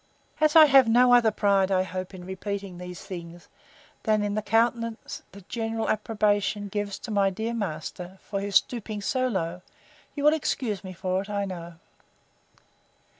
As I have no other pride, I hope, in repeating these things, than in the countenance the general approbation gives to my dear master, for his stooping so low, you will excuse me for it, I know.